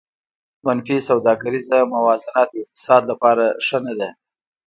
منفي سوداګریزه موازنه د اقتصاد لپاره ښه نه ده